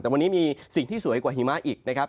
แต่วันนี้มีสิ่งที่สวยกว่าหิมะอีกนะครับ